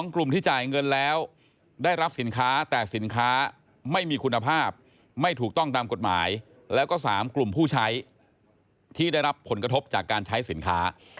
กลุ่มที่จ่ายเงินแล้วได้รับสินค้าแต่สินค้าไม่มีคุณภาพไม่ถูกต้องตามกฎหมายแล้วก็๓กลุ่มผู้ใช้ที่ได้รับผลกระทบจากการใช้สินค้า